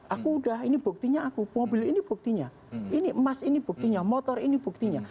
aku udah ini buktinya aku mobil ini buktinya ini emas ini buktinya motor ini buktinya